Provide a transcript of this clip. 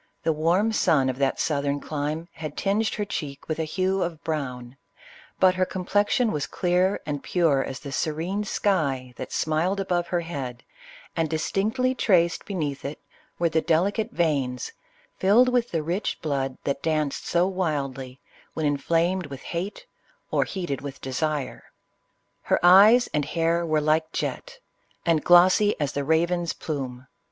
The warm sun of that southern clime had tinged her cheek with a hue of brown, but her complexion was clear and pure as the serene sky that smiled above her head, and distinctly traced beneath it, were the delicate veins filled with the rich blood that danced so wildly, when inflamed with hate, or heated with desire. Iler eyes and hair were like jet, and glossy as the raven's plume.